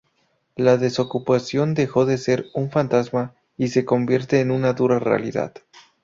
La desocupación dejó de ser un fantasma y se convierte en una dura realidad.